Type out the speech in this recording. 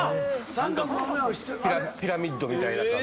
ピラミッドみたいな感じのやつで。